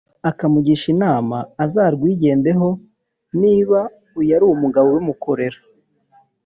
akamugisha inama uzarwigendeho niba uyu ari umugabo ubimukorera